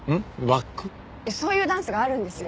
そういうダンスがあるんですよ。